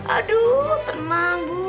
aduh tenang bu